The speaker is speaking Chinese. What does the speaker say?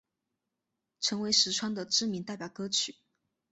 成为实川的知名代表歌曲。